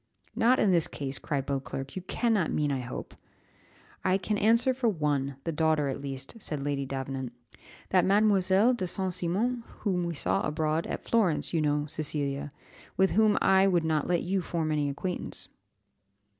"Not in this case," cried Beauclerc; "you cannot mean I hope." "I can answer for one, the daughter at least," said Lady Davenant; "that Mad. de St. Cimon, whom we saw abroad, at Florence, you know, Cecilia, with whom I would not let you form an acquaintance."